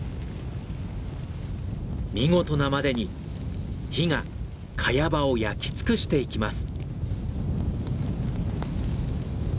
見事なまでに火がカヤ場を焼き尽くしていきます。